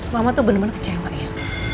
mama tuh bener bener kecewa ya